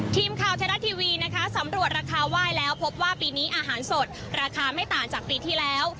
ทีมข่าวไทยรัฐทีวีนะคะสำรวจราคาไหว้แล้วพบว่าปีนี้อาหารสดราคาไม่ต่างจากปีที่แล้ว